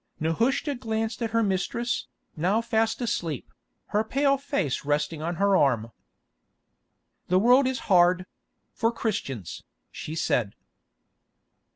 Nehushta glanced at her mistress, now fast asleep, her pale face resting on her arm. "The world is hard—for Christians," she said.